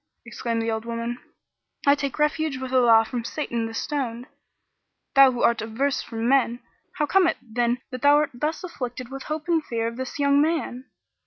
Exclaimed the old woman, "I take refuge with Allah from Satan the stoned! Thou who art averse from men! How cometh it then that thou art thus afflicted with hope and fear of this young man?